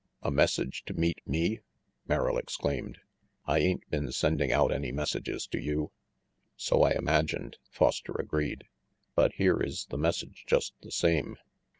"A message to meet me?" Merrill exclaimed. "I ain't been sending out any messages to you." "So I imagined," Foster agreed. "But here is the message just the same."